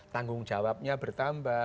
tanggung jawabnya bertambah